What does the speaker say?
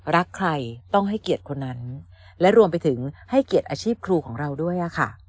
รักใครต้องให้เกียรติคนนั้นและรวมไปถึงให้เกียรติอาชีพครูของเราด้วยค่ะ